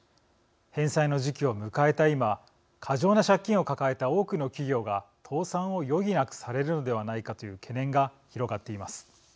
返済の時期を迎えた今過剰な借金を抱えた多くの企業が倒産を余儀なくされるのではないかという懸念が広がっています。